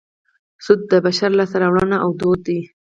سود د بشر لاسته راوړنه او دود دی